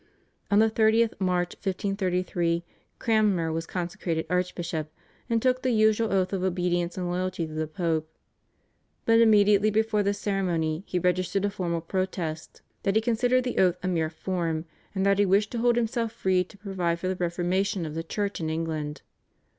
On the 30th March, 1533, Cranmer was consecrated archbishop, and took the usual oath of obedience and loyalty to the Pope; but immediately before the ceremony, he registered a formal protest that he considered the oath a mere form, and that he wished to hold himself free to provide for the reformation of the Church in England.